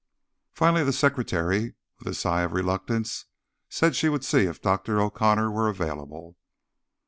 Finally the secretary, with a sigh of reluctance, said she would see if Dr. O'Connor were available.